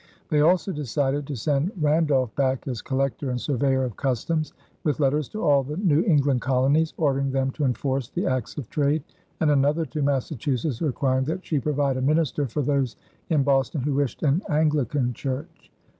They also decided to send Randolph back as collector and surveyor of customs, with letters to all the New England colonies, ordering them to enforce the acts of trade, and another to Massachusetts requiring that she provide a minister for those in Boston who wished an Anglican church.